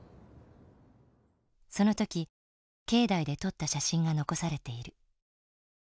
その時境内で撮った写真が残されている。